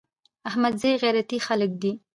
احمدزي غيرتي خلک دي.